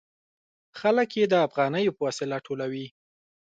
خلک یې د افغانیو په وسیله ټولوي.